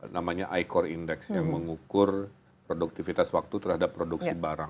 namanya i core index yang mengukur produktivitas waktu terhadap produksi barang